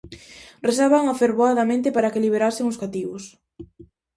Rezaban afervoadamente para que liberasen os cativos.